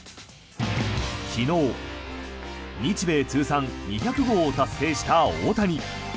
昨日、日米通算２００号を達成した大谷。